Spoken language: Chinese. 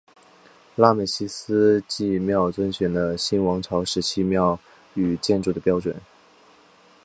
拉美西斯的祭庙遵循了新王朝时期庙与建筑的标准。